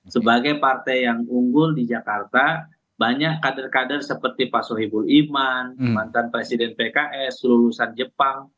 sebagai partai yang unggul di jakarta banyak kader kader seperti pak sohibul iman mantan presiden pks lulusan jepang